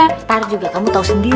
ntar juga kamu tau sendiri